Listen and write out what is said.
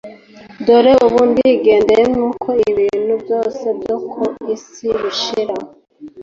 dore ubu ndigendeye nk'uko ibintu byose byo ku isi bishira